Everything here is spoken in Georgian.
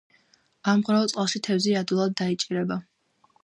ამღვრეულ წყალში თევზი ადვილად დაიჭირება.